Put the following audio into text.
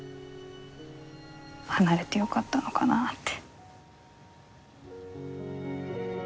離れてよかったのかなって。